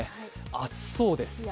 暑そうです。